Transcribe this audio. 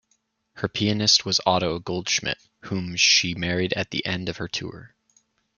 Her pianist was Otto Goldschmidt, whom she married at the end of her tour.